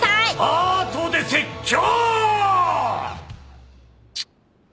「あとで説教！」